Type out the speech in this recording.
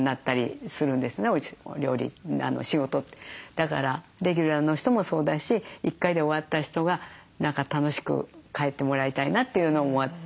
だからレギュラーの人もそうだし１回で終わった人が何か楽しく帰ってもらいたいなというのもあって。